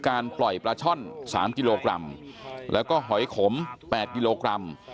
การปล่อยปลาช่อน๓กิโลกรัมแล้วก็หอยขม๘กิโลกรัม